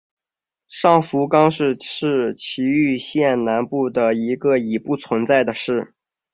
上福冈市是崎玉县南部的一个已不存在的市。